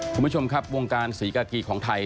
คุณผู้ชมครับวงการศรีกากีของไทย